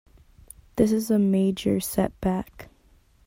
This is a major setback.